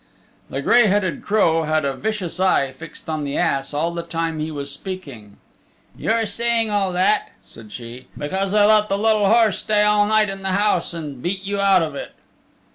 The gray headed crow had a vicious eye fixed on the ass all the time he was speaking. "You're saying all that," said she, "because they let the little horse stay all night in the house and beat you out of it."